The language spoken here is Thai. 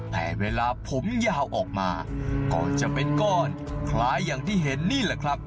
แต่เวลาผมยาวออกมาก่อนจะเป็นก้อนคล้ายอย่างที่เห็นนี่แหละครับ